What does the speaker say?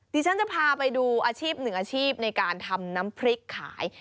ที่ฉันจะพาไปดูอาชีพหนึ่งอาชีพในการทำน้ำพริกขาย